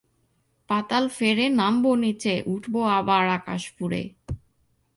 পাতাল ফেড়ে নামব নিচে, উঠব আবার আকাশ ফুঁড়ে।